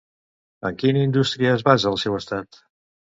En quina indústria es basa el seu estat?